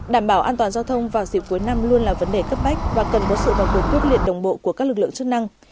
đảm bảo an toàn giao thông vào dịp cuối năm luôn là vấn đề cấp bách và cần có sự vào cuộc quyết liệt đồng bộ của các lực lượng chức năng